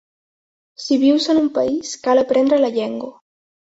Si vius en un país, cal aprendre la llengua.